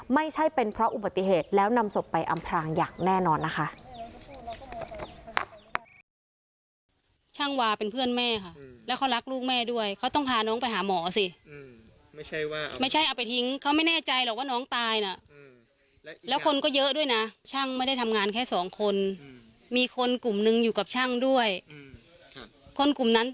ไม่ใช่เป็นเพราะอุบัติเหตุแล้วนำศพไปอำพรางอย่างแน่นอนล่ะค่ะ